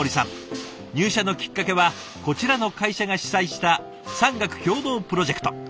入社のきっかけはこちらの会社が主催した産学協同プロジェクト。